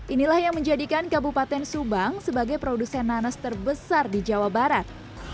inilah yang menjadikan kabupaten subang sebagai produsen nanas terbesar di jawa barat